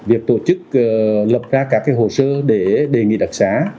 việc tổ chức lập ra các hồ sơ để đề nghị đặc xá